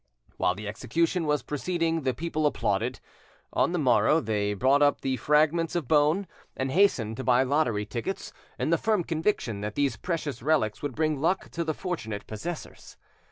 While the execution was proceeding the people applauded. On the morrow they bought up the fragments of bone, and hastened to buy lottery tickets, in the firm conviction that these precious relics would bring luck to the fortunate possessors!